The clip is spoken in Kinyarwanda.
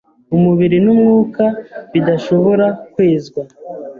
umubiri n’umwuka bidashobora kwezwa.